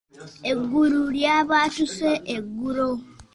Eggulu lyabwatuse eggulo.